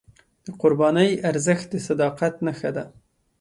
د قربانۍ ارزښت د صداقت نښه ده.